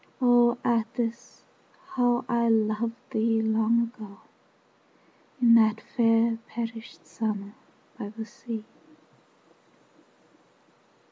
O Atthis, how I loved thee long ago In that fair perished summer by the sea!